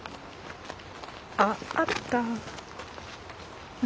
あっあった！